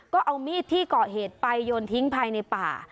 ก็เอามีดที่เกาะเหตุไปโยนทิ้งภายในป่า